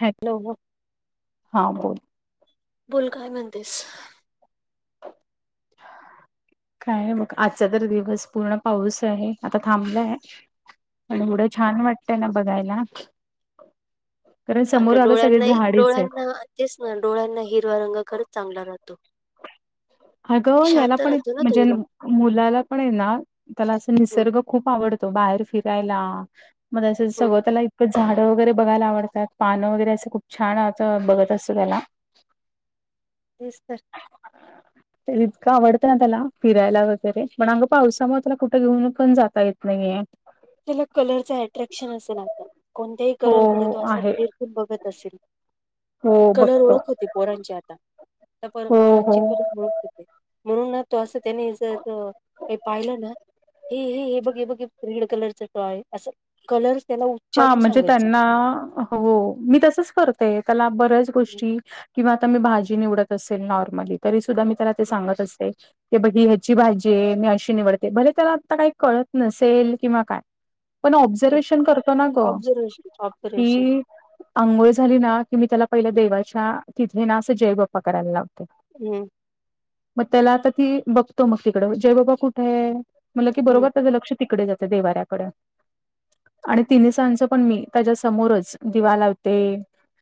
हॅ हॅलो बोल. हा बोल बोल काय म्हणतेस? [inaudible] काय हाय बघ आजचा तर दिवस पूर्ण पाऊस आहे. आता थांबलाय. हम्म पण हम्म. एवढं छान वाटतंय ना बघायला. कारण समोर अगं आ ग सगळी डोळ्यांनाही झाडीच आहेत. डोळ्यांना तेच ना डोळ्यांना हिरवा रंग खरच, चांगला राहतो. अगं याला शांत पण एक राहतो ना तो म्हणजे. हिरवा. मुलाला पण आहे. ना त्याला असं हम्म निसर्ग खूप आवडतो. बाहेर फिरायला. मग असं हम्म. सगळं त्याला इतकंच. झाडं वगैरे बघायला आवडतात. पानं वगैरे असं खूप छान असं बघत असतो. त्याला तेच तर तर इतकं आवडतं ना, त्याला फिरायला वगैरे पण, अगं पावसामुळे त्याला कुठं घेऊन पण जाता येत नाहीये. त्याला कलरच अट्रॅक्शन असेल, आता कोणत्याही हो कलरकडे, तो असा आहे निरखून बघत असेल. हो कलर बघतो ओळख होते पोरांची आता त्या हो पोरांची हो कलर ओळख म्हणून ना तो असं त्यानी जर काही पाहिलं. ना हे हे हे बघ बघ रेड कलरचा टॉय असं कलरस त्याला हा उच्चारून म्हणजे सांगत जा. त्यांना हो मी तसच करतेय. त्याला बऱ्याच गोष्टी किंवा आता मी भाजी निवडत असेल नॉर्मली तरी सुद्धा मी त्याला ते सांगत असते ते बघ ह्याची भाजी मी अशी निवडते भले त्याला आता काही कळत नसेल किंवा काय पण ऑब्झर्वेशन करतो ना ग ऑब्झर्वेशन ऑब्झर्वेशन की आंघोळ झाली ना की मी त्याला पहिलं देवाच्या तिथे ना असं जय बप्पा करायला लावते हम् मग त्याला आता ती बघतो मग तिकडं जय बाबा कुठे आहे म्हणलं की बरोबर हम्म त्याचं लक्ष तिकडे जाते देवाऱ्याकडे आणि तिन्ही सांचं पण मी त्याच्या समोरच दिवा लावते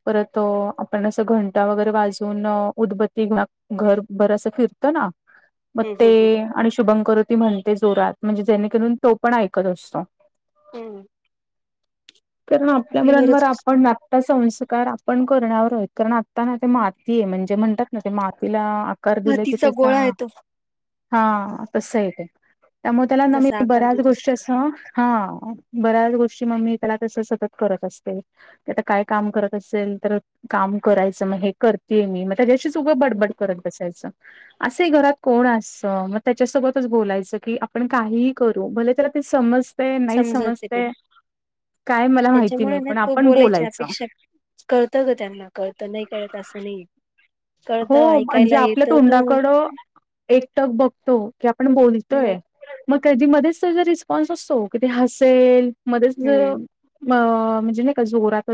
परत आपण असं घंटा वगैरे वाजून उदबत्ती घरभर असं फिरतो ना [inaudible] मग ते हम्म. आणि शुभंकरोति म्हणते जोरात म्हणजे जेणेकरून तो पण ऐकत असतो हम्म कारण आपल्या आपल्यावरच मुलांवर असतो आपण [inaudible] संस्कार आपण करण्यावर आहेत कारण आता ना ते माती आहे म्हणजे म्हणतात ना ते मातीला कार दिलं कि मातीचा त्याचा गोळा येतो हा तस आहे ते त्यामुळे त्याला न मी जसा आकार देऊ बऱ्याच तस गोष्टी अस हा बऱ्याच गोष्टी मम्मी त्याला तस सतत करत असते ते आता काय काम करत असेल तर काम करायचं मग हे करतेये मी म त्याच्याशी सु उगं बडबड करत बसायचं असे घरात कोण असतं मग त्याच्यासोबतच बोलायचं की आपण काही करू भले तर ते समजते नाही समजत ते समजते नाही त्याच्यामुळे नाही ना पण तो आपण बोलायची बोलायचं. अपेक्षा कळतं ग त्यांना कळतं नाही कळत असं नाही कळत हो म्हणजे ऐकायला आपल्या येत तू तोंडाकडं एकटक बघतो की आपण मग बोलतोय मग कधी मध्येच तर जर रिस्पॉन्स असतो कि ते हसेल मध्येच जर हम्म अ म्हणजे नाही का जोरातं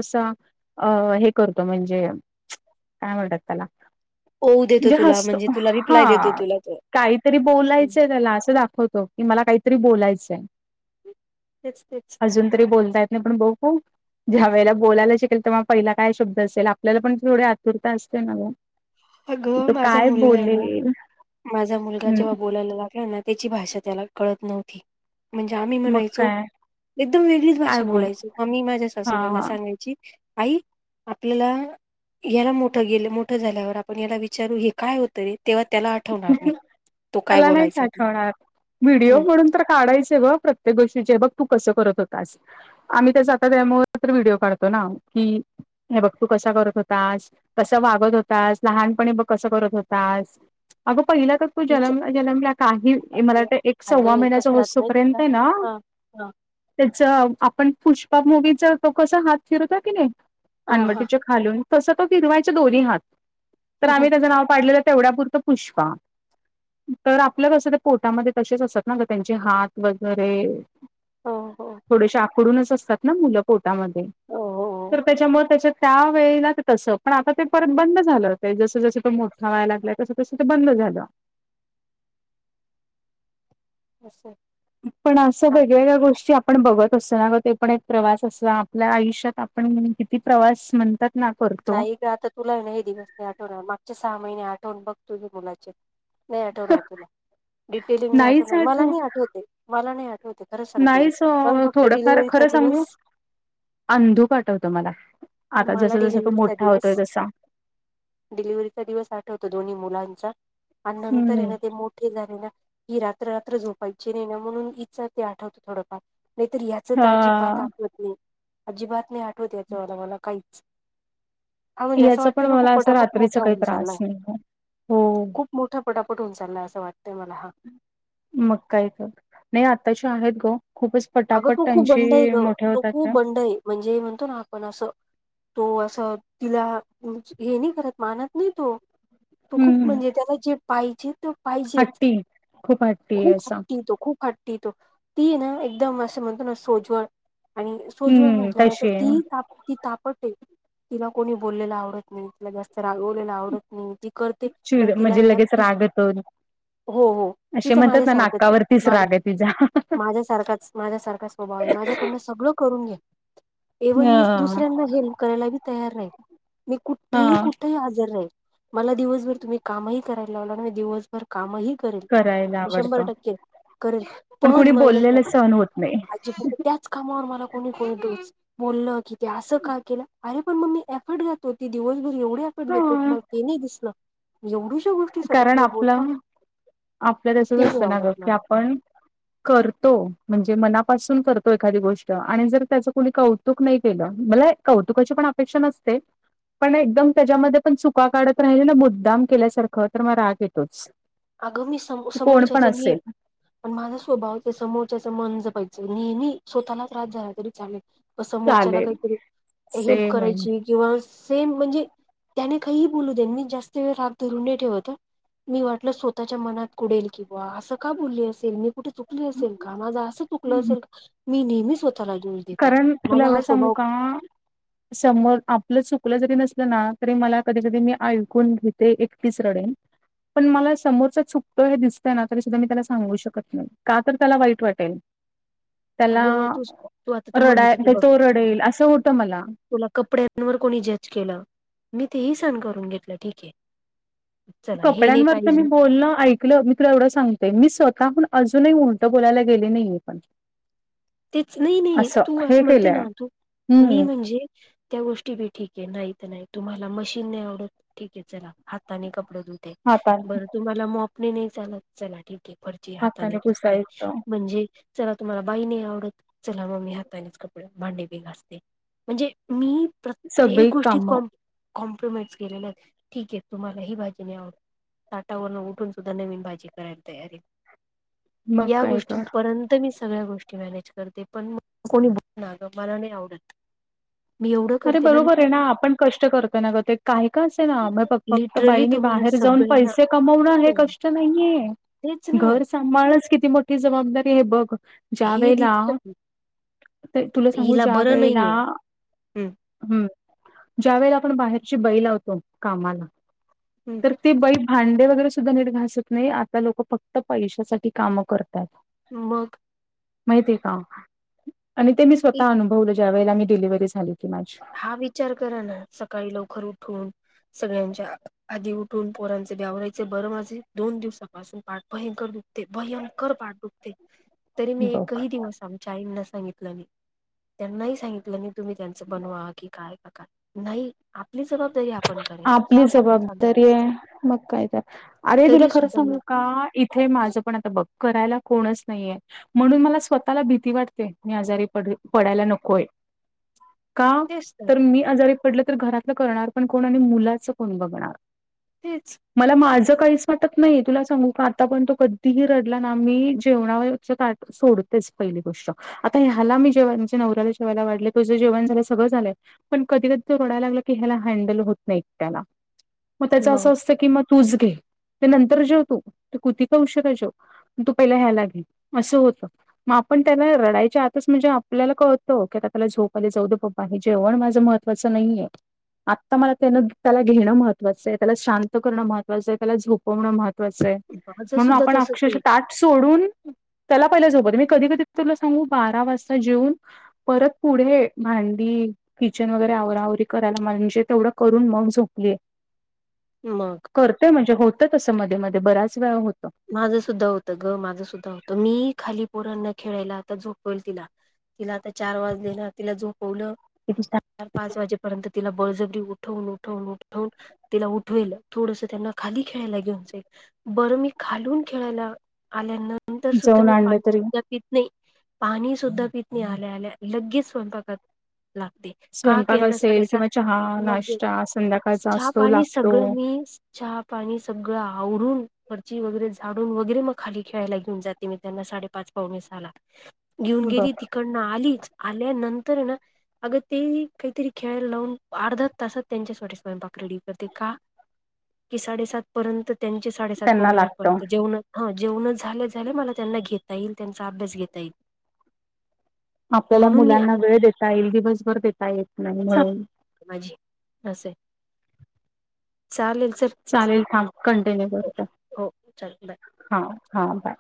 अ हे करतो म्हणजे काय म्हणतात त्याला हो देतो तुला म्हणजे तुला हा रिप्लाय देतो तुला त काहीतरी बोलायचंय त्याला असं दाखवतो की मला काहीतरी बोलायचंय तेच तेच अजून तरी बोलतायेत नाही पण बऊ ज्या वेळेला बोलायला शिकेल तेव्हा पहिला काय शब्द असेल आपल्याला पण थोडी आतुरता असते नाग अगं माझा मुलगा आहे ना माझा मुलगा हं, जेव्हा बोलायला लागला ना त्याची भाषा त्याला कळत नव्हती म्हणजे आम्ही मग म्हणायचो काय एकदम वेगळीच काय भाषा बोल बोलायचो मग मी माझ्या हा सासूबाईला हा सांगायची आई आपल्याला याला मोठ गेलं मोठं झाल्यावर आपण याला विचारू हे काय होतंय रे तेव्हा त्याला आठवणार नाही तो काय त्याला नाहीच बोलायचा ते आठवणार. व्हिडिओ हम्म म्हणून तर काढायचय ग प्रत्येक गोष्टीचे बघ तू कसं करत होतास आम्ही त्याचा आता त्यामु तर व्हिडिओ काढतो ना कि हे बघ तू कसं करत होतास कसं वागत होतास लहानपणी बघ कसं करत होतास आग पहिला क तू विच जनम जनमला काही मला अगं वात एक सव्वा अगं, हे महिन्याचा कसं राहत माहिती होस्पर्यंत आहे ना का हा हा त्याच आपण पुष्पाप मुूवीचा तो कसा हात फिरवता की नाही हा हा अनवटीच्या खालून तसं तो फीरवायच्या दोन्ही हात तर हो आम्ही त्याचं नाव पाडलेलं तेवढ्यापुरतं पुष्पा तर आपलं कसं तर पोटामध्ये तसेच असत ना का त्यांचे हात वगैरे हो हो थोडेसे आकडूनच असतात ना मुलं पोटामध्ये हो हो. तर त्याच्यामुळे त्याच्या त्या वेळेला ते तस पण आता ते परत बंद झालं ते जस-जसं तो मोठा व्हायला लागलाय तस. तस ते बंद झालं. अस. पण असं वेगवेगळ्या गोष्टी आपण बघत असतो ना ग ते पण एक प्रवास असत आपल्या आयुष्यात पण किती प्रवास म्हणतात? ना करतो नाही ग आता तुला नाही दिवस नाही आठवण मागचे सहा महिने आठवण बघ तुझे मुलाचे नाही आठवणार तुला डिटेलिंग नाही नाहीच आठवणार. मला आठव नाही आठवते, मला नाही आठवते. खरं सांगते मी नाहीच ओ मला फक्त थोडंफार डिलिव्हरीचा खरं दिवस सांगू? अंधूक आठवतो मला आता मला जस-जसं तो डिलिव्हरीचा मोठा दिवस होतोय तसा. डिलिव्हरीचा दिवस आठवतो दोन्ही मुलांचा आणि नंतर लगे ते मोठे झाले ना ही रात्र रात्र झोपायची नाही ना म्हणून हिच ते आठवतो थोडंफार नाही तर हिला हीच हा तर अजिबात आठवत नाही. अजिबात नाही आठवत याच म मला काहीच. हा म्हणजे असं याचा पण वाटतं ना खूप मला असं पटापट रात्रीचा मोठा काही होऊन त्रास चाललाय. नाही हो. हो. [inaudible] खूप मोठा पटापट होऊन चाललाय असं वाटतंय मला हा. मग काय तर, नाही आताच्या आहेत गं खूपच अगं पटापट तू खूप त्यांची बंड आहे ग मोठ्या तो होतात खूप त्या. बंड आहे म्हणजे म्हणतो ना आपण असं तो असं तिला हे नाही करत मानत नाही तो. तो खूप हं, म्हणजे त्याला जे पाहिजे तो पाहिजेच. हट्टी खूप हट्टी खूप असा. हट्टी आहे तो खूप हट्टी तो. ती ना एकदम असं म्हणतो ना सोजवळ. आणि सोजवळ हं, म्हटलं ना तर तशी आहे. ती ती तापडते तिला कोणी बोललेल आवडत नाही. तिला जास्त रागवलेला आवडत नाही, ती करते पण चिड तिला आहे म्हणजे ना लगेच ती रागत येतो. हो हो असे तीच म्हणतात ना माझ्यासारखंच आहे. नाकावरतीच माझ्या राग आहे तिचा. माझ्यासारखाच माझ्या माझ्यासारखाच स्वभाव आहे माझ्याकडन सगळं करून घे. ए वन मी हं, दुसऱ्यांना [unintelligible] करायला बी तयार नाही. मी कुठंही हां. कुठंही हजर राहीन. मला दिवसभर तुम्ही कामही करायला लावला ना दिवस भर कामही करेन. करायला शंभर आवडतं. टक्के करेन. कुणी पण माज्या बोललेलं त्यात सहन होत नाही. अजीबातच त्याच कामावर मला कोणी बोलतोच बोललं कि ते असं का केलं? अरे पण मग मी एफर्ट घा तो ती दिवसभर एवढी आकट घेतो हां, तुम्हाला ते नाही दिसल एवढूशा गोष्ट कारण आपलं आपल्यात मग असच ते नाही असतं ना ग आवडत की मला आपण करतो म्हणजे मनापासून करतो एखादी गोष्ट आणि जर त्याच कुणी कौ तुक नाही केलं मला एक कौतुकाची पण अपेक्षा नसते पण एकदम त्याच्यामध्ये पण चुका काढत राहिली ना मुद्दाम केल्यासारखं तर म राग येतोच. आग मी कोण पण समो-समोरच्याच नी असेल पण माझा स्वभाव त्या समोरच्याच मन जपायचं. नेहमी स्वतःला त्रास झाला तरी चालेल. क समोरच्याला चालेल काहीतरी हेल्प सेम आहे करायची किंवा सेम म्हणजे त्याने काहीही बोलू दे मी जास्त वेळ राग धरून नाही ठेवत ह. मी वाट आपलं स्वतःच्या मनात कुडेल कि, बुवा असं का बोलली असेल, मी कुठे चुकली असेल का? माझं असं चुकलं असेल का? मी नेहमी स्व कारण तुला एवढं सांगू का? समोर आपलं चुकलं जरी नसलं ना तरी मला कधी कधी मी ऐकून घेते एकटीच रडेन. पण मला समोरचा चुकतोय हे दिसतंय ना तरी सुद्धा मी त्याला सांगू शकत नाही का तर त्याला वाईट वाटेल. [inaudible] त्याला अगं तु सु रडाय तो रडेल असं होतं मला. तुला कपड्यात कपडयांवर कोणी जज केलं मी तेही सहन करून घेतलं ठीक आहे. चला हे नाही कपड्यांवर तर मी पाहिजे बोलण ऐ कल मी तुला एवढं सांगतेय मी स्वतःहून अजूनही उलटं बोलायला गेले नाहीेये पण. तीच नाही नाही तू हे असं म्हणते केलंय ना तू मी हम्म म्हणजे त्या गोष्टी बी ठीक आहे नाही तर नाही तुम्हाला मशीन नाही आवडत ठीके चला हाताने कपडं धुवा. हाताने बर तुम्हाला मोप नी नाही चालत चला ठीक आहे. फरशी हाताने पुसते म्हणजे चला तुम्हाला बाई नाही आवडत चला मग मी हातानेच कपडे भांडी बी घासते म्हणजे मी प्रत्येक सगळी गोष्टीत कामं कॉम्प्रोमाइज केलेला ठीके तुम्हाला ही भाजी नाही आवड ताटावरून उठून सुद्धा नवीन भाजी करायला तयार आहे. मग या काय तर गोष्टीपर्यंत मी सगळ्या गोष्टी मॅनेज करते पण मला कोणी बोललं मला नाही आवडत मी एवढं अरे करते बरोबर आहे मी ना आपण कष्ट करतो ना ग ते काही का असेना म फक् फक्त लिटरली बाईने तुम्हाला बाहेर जाऊन सगळ्यांना पैसे हो कमवणं हे कष्ट नाहीये. तेच ना घर सांभाळणंचं किती मोठी जबाबदारी आहे हे बघ. ज्या हे वेळेला दिसत कि ते तुला सांगू ज्या वेळेला नाहीये हम्म ज्या वेळेला आपण बाहेरची बाई लावतो कामाला तर हम्म ती बाई भांडे वगैरे सुद्धा नीट घासत नाही आता लोक फक्त पैशासाठी काम करतात. मग. माहितीये का आणि ते मी इ स्वतः अनुभवलं ज्या वेळेला मी डिलिव्हरी झाले. कि माझी. हा विचार करा ना सकाळी लवकर उठून सगळ्यांच्या आधी उठून पोरांचे बी आवरायचे बर माझे दोन दिवसापासून पाठ भयंकर दुखते भयंकर पाठ दुखते. तरी मी बघ एकही दिवस आमच्या आईंना सांगितलं नाही त्यांनाही सांगितल नाही. तुम्ही त्यांचं बनवा की काय का का नाही आपली जबाबदारी आपण करायची का आपली कोणाला जबाबदारी सांगायचं आहे मग काय कराय अरे तुला तरी खरं सुद्धा मी सांगू का एक इथे माझं पण आता बघ करायला कोणच नाहीये. म्हणून मला स्वतःला भीती वाटते मी आजारी पडेल पडायला नकोय. [inaudible] का तर मी आजारी पडलं तर घरातलं करणार पण कोण आणि मुलाच कोण बघणार. तेच. मला माझं काहीच वाटत नाही तुला सांगू का आता पण तो कधीही रडला ना मी जेवणावरच ताट सोडतेच पहिली गोष्ट आता ह्याला मी जेव्हा हिला हिच्या नवऱ्याला जेवायला वाढले तुझं जेवण झालं सगळं झालंय. पण कधी कधी तो रडायला लागलं की ह्याला हँडल होत नाही एकट्याला मग त्याच असं असतं की मग तूच घे ते नंतर जेव तू तू किती पण उशीरा जेव. तू पहिला ह्याला घे असं होत. मग आपण त्याला रडायच्या आतच म्हणजे आपल्याला कळत की आता त्याला झोप आलेय जाऊदे बाबा हे जेवण माझं मह त्वाच नाहीये. आत्ता मला त्यान त्याला घेणं महत्वाचं आहे त्याला शांत करणं महत्वाचं आहे त्याला झोपवणं मह त्वाच आहे माझं म्हणून सुद्धा आपण तसच अक्षरशः आहे ताट सोडून त्याला पहिला झोपवते मी कधी कधी तुला सांगू बारा वाजता जेऊन परत पुढे भांडी किचन वगैरे आवराआवरी करायला म्हणजे तेवढं करून मग झोपले. मग. करते म्हणजे होत तसं मध्ये मध्ये बऱ्याच वेळा होतं. माझं सुद्धा होतं ग माझं सुद्धा होतं मी खाली पोरांना खेळायला आता झोपवेल तिला तिला आता चार वाजलेना तिला जोपवलं तर पाच वाजेपर्यंत तिला बळजबरी उठवून उठवून उठवून तिला उठवेल थोडस त्यांना खाली खेळायला घेऊन जाईल बरं मी. खालून खेळायला आल्यानंतर सुद्धा जाऊन मी आणलं पाणी तरी सुद्धा पित नही. पाणी सुद्धा पीत नाही, आल्या, आल्या लगेच स्वयंपाकात लागते का कीं स्वयंपाक यांना सकाळी असेल सात किंवा चहा लगेच नाश्ता संध्याकाळचा चहा असतो पाणी लागतो सगळं मी चहा पाणी सगळं आवरून. गच्ची वगैरे झाडून वगैरे, मग खाली खेळायला घेऊन जाते मी त्यांना साडेपाच पावणे सहाला. घेऊन बघ गेली तिकडनं, आली आल्यानंतरहे ना अगं टीव्ही काहीतरी खेळायला लावून, अर्ध्या तासात त्यांच्यासाठी स्वयंपाक रेडी करते का? की साडेसात पर्यंत त्यांचे साडे त्यांना पवणे लागत आठपर्यंत जेवण हा जेवण झाल्या, झाल्या मला त्यांना घेता येईल, त्यांचा अभ्यास घेता येईल. आपल्याला म्हणून मी मुलांना आणि वेळ देता येईल, दिवसभर देता येत नाही म्हणून. माझी अस आहे. चालेल चल. चालेल थांब कंटिन्यू करता, हो हो चालेल हा, हा बाय.